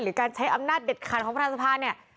การใช้อำนาจเด็ดขาดของประธานสภาเนี่ย